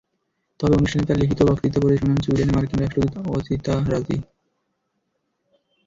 তবে অনুষ্ঠানে তাঁর লিখিত বক্তৃতা পড়ে শোনান সুইডেনে মার্কিন রাষ্ট্রদূত আজিতা রাজি।